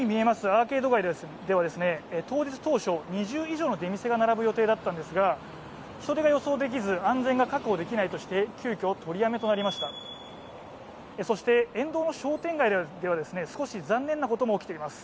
アーケード街では、当日、当初、２０以上の出店が並ぶ予定だったんですが人手が予想できず、安全が確保できないとして、急きょ、取りやめとなっています。